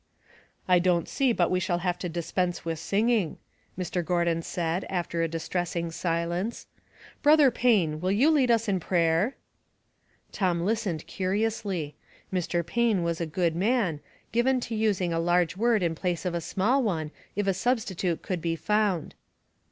*' I don't see but we shall have to dispense with singing," Mr. Gordon said, after a distressing silence. " Brother Payne, will you lead us in prayer?" Tom listened curiously. Mr. Payne was a good man, given to using a large word in place of a small one if a substitute could be found.